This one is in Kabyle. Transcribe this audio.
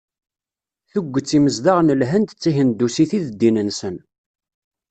Tuget imezdaɣ n Lhend d tihendusit i d ddin-nsen.